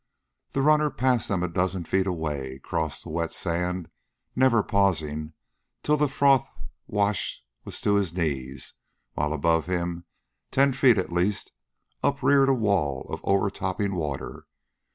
The runner passed them a dozen feet away, crossed the wet sand, never pausing, till the froth wash was to his knees while above him, ten feet at least, upreared a wall of overtopping water.